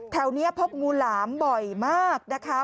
แถวนี้พบงูหลามบ่อยมากนะคะ